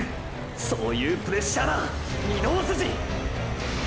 そういうプレッシャーだ御堂筋！！